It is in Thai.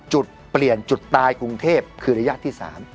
จุดเปลี่ยนจุดตายกรุงเทพคือระยะที่๓